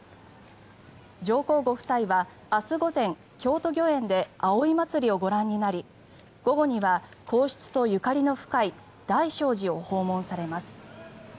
上皇ご夫妻は明日午前京都御苑で葵祭をご覧になり午後には皇室とゆかりの深い大聖寺を訪問されます。